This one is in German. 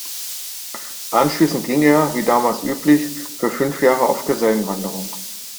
Anschließend ging er, wie damals üblich, für fünf Jahre auf Gesellenwanderung.